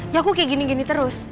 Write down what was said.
ya aku kayak gini gini terus